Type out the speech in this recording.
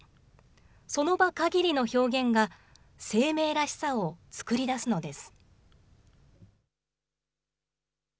その場かぎりの表現が、生命らしさを作り出すのです。